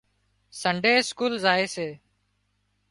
سنڊي اسڪول زائي سي